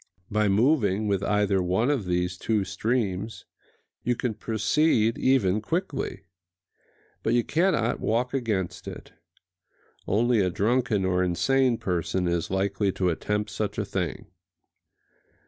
By moving with either one of these two streams you can proceed even quickly; but you cannot walk against it: only a drunken or insane person is likely to attempt such a thing.